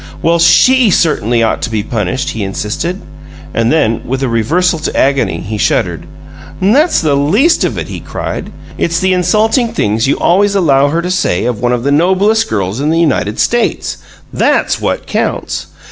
"Well, SHE certainly ought to be punished!" he insisted, and then, with a reversal to agony, he shuddered. "That's the least of it!" he cried. "It's the insulting things you always allow her to say of one of the noblest girls in the United States THAT'S what counts!